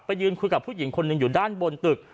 ยืนคุยกับผู้หญิงคนหนึ่งอยู่ด้านบนตึก